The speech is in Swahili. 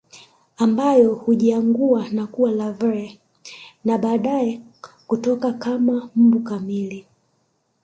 Ambayo hujiangua na kuwa larvae na baadaye kutoka kama mbu kamili